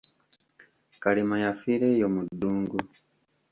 Kalema yafiira eyo mu ddungu.